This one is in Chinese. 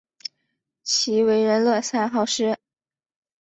其为人乐善好施。